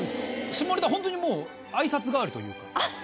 下ネタホントにもう挨拶代わりというか。